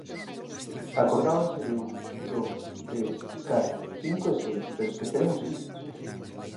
Acordábanse de un, dous, tres, catro, cinco e seis pero esqueceran os seguintes.